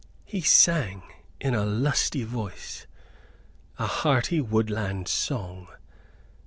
He sang, in a lusty voice, a hearty woodland song.